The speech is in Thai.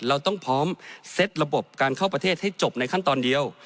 เราต้องพร้อมเซ็ตระบบการเข้าประเทศให้จบในขั้นตอนเดียว